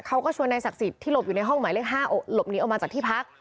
เขาก็ชวนนายศักดิ์สิทธิ์ที่หลบอยู่ในห้องหมายเลข๕หลบหนีออกมาจากที่พัก